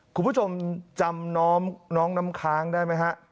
คุณผู้ชมจำน้อมน้องน้ำค้างได้ไหมฮะ